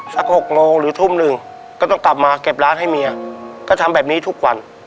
หกโมงหรือทุ่มหนึ่งก็ต้องกลับมาเก็บร้านให้เมียก็ทำแบบนี้ทุกวัน